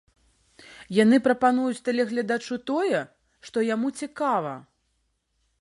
Яны прапануюць тэлегледачу тое, што яму цікава.